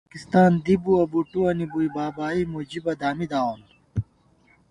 نِم پاکستان دِبُوَہ ، بُٹُوَنی بُوئی بابائی ، مجیبہ دامی داوون